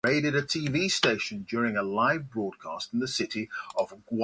Thirty-six teams from nine hubs in Alabama, Georgia, Florida, Ohio, and Illinois competed.